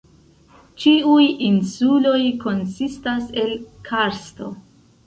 Ĉiuj insuloj konsistas el karsto.